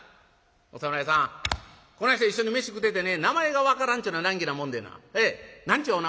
お侍さんこないして一緒に飯食うててね名前が分からんちゅうのは難儀なもんでな何ちゅうお名前です？